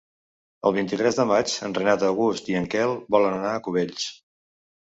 El vint-i-tres de maig en Renat August i en Quel volen anar a Cubells.